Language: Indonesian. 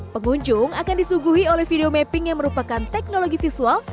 pengunjung akan disuguhi oleh video mapping yang merupakan teknologi visual